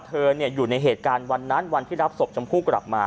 อยู่ในเหตุการณ์วันนั้นวันที่รับศพชมพู่กลับมา